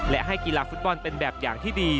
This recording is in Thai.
และให้กีฬาฟุตบอลเป็นแบบอย่างที่ดี